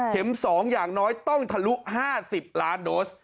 ๒อย่างน้อยต้องทะลุ๕๐ล้านโดส